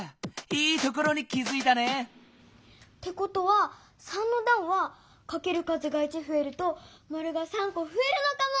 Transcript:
いいところに気づいたね！ってことは３のだんはかける数が１ふえるとマルが３こふえるのかも。